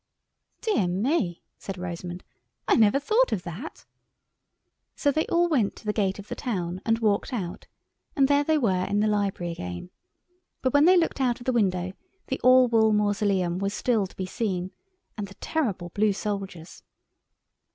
"Dear me," said Rosamund; "I never thought of that!" So they all went to the gate of the town and walked out, and there they were in the library again. But when they looked out of the window the All Wool Mausoleum was still to be seen, and the terrible blue soldiers.